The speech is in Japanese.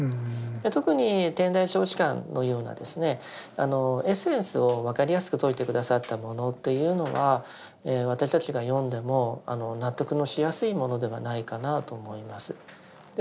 特に「天台小止観」のようなエッセンスを分かりやすく説いて下さったものというのは私たちが読んでも納得のしやすいものではないかなと思います。